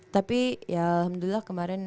tapi ya alhamdulillah kemarin